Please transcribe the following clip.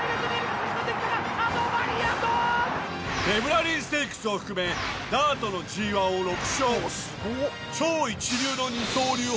フェブラリーステークスを含めダートのＧⅠを６勝。